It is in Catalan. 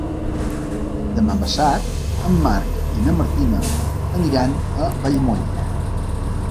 Demà passat en Marc i na Martina aniran a Vallmoll.